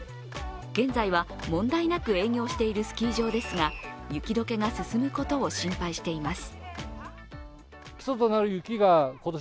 現在は問題なく営業しているスキー場ですが、雪解けが進むことを心配しています。